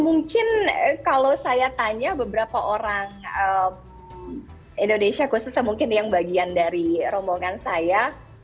mungkin kalau saya tanya beberapa orang indonesia khususnya mungkin yang bagian dari rombongan saya